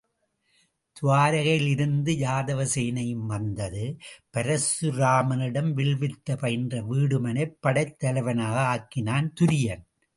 துவாரகையில் இருந்து யாதவ சேனையும் வந்தது பரசுராமனிடம் வில்வித்தை பயின்ற வீடுமனைப் படைத்தலைவனாக ஆக்கினான் துரியன்.